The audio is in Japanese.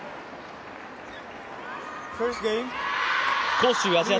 杭州アジア